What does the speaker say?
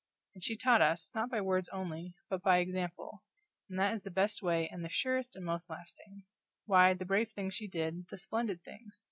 And she taught us not by words only, but by example, and that is the best way and the surest and the most lasting. Why, the brave things she did, the splendid things!